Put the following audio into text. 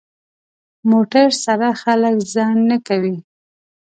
موټر سره خلک ځنډ نه کوي.